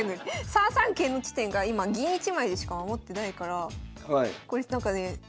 ３三桂の地点が今銀１枚でしか守ってないからこれなんかね私飛車と。